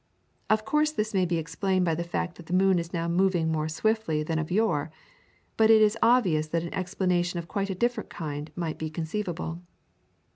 Of course this may be explained by the fact that the moon is now moving more swiftly than of yore, but it is obvious that an explanation of quite a different kind might be conceivable.